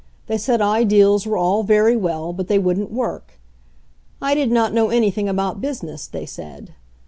They said ideals "were all very well, but they wouldn't work. I did not know anything about business, they said.